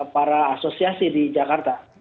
para asosiasi di jakarta